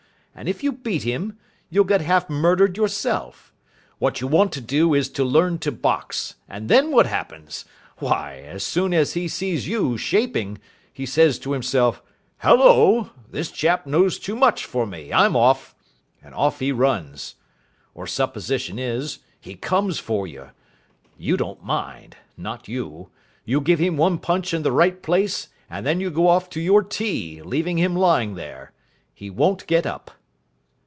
And if you beat him, you'll get half murdered yourself. What you want to do is to learn to box, and then what happens? Why, as soon as he sees you shaping, he says to himself, 'Hullo, this chap knows too much for me. I'm off,' and off he runs. Or supposition is, he comes for you. You don't mind. Not you. You give him one punch in the right place, and then you go off to your tea, leaving him lying there. He won't get up."